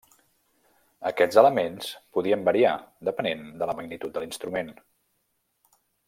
Aquests elements podien variar depenent de la magnitud de l’instrument.